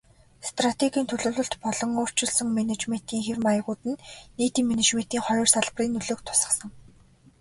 Стратегийн төлөвлөлт болон өөрчилсөн менежментийн хэв маягууд нь нийтийн менежментийн хоёр салбарын нөлөөг тусгасан.